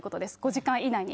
５時間以内に。